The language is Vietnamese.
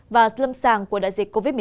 và lâm sàng của đại dịch covid một mươi chín